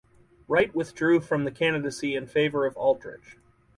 Wright withdrew from the candidacy in favour of Aldrich.